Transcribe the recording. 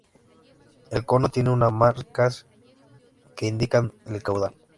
El cono tiene unas marcas que indican el caudal.